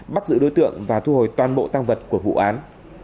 bắt giữ đối tượng và thu hồi toàn bộ tăng vật của vụ án